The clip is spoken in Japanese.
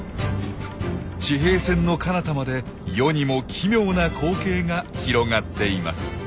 地平線のかなたまで世にも奇妙な光景が広がっています。